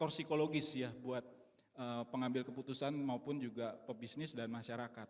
jadi memang ini juga mungkin mempengaruhi faktor psikologis ya buat pengambil keputusan maupun juga pebisnis dan masyarakat